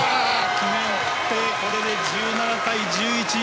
決めて、これで１７対１１！